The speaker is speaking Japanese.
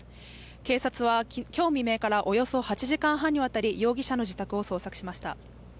警察は今日未明からおよそ８時間半にわたり容疑者の自宅を捜索しました。